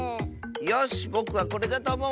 よしぼくはこれだとおもう！